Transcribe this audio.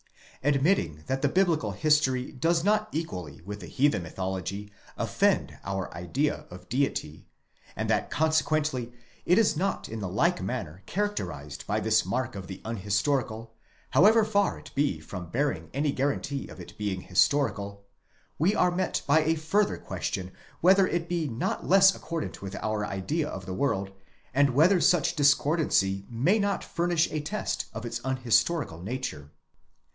Admitting that the biblical history does not equally with the heathen mythology offend our idea of Deity, and that consequently it is not in like manner characterized by this mark of the unhistorical, however far it be from bearing any guarantee of being historical,—we are met by the further question whether it be not less accordant with our idea of the world, and whether such discordancy may not furnish a test of its unhistorical nature.